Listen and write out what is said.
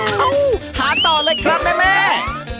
อ้าวหาต่อเลยครับแม่แม่